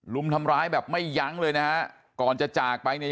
รุมทำร้ายแบบไม่ยั้งเลยนะฮะก่อนจะจากไปเนี่ย